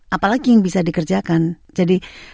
apalagi yang bisa dikerjakan jadi